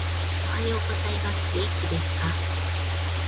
おはようございます。元気ですか？